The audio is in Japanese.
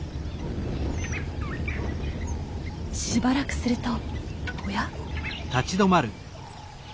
しばらくするとおや？